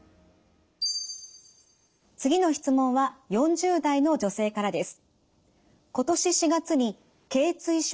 次の質問は４０代の女性からです。